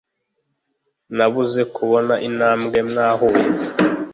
nabuze kubona intambwe mwahuye